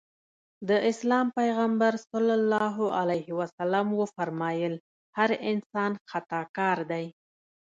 د اسلام پيغمبر ص وفرمایل هر انسان خطاکار دی.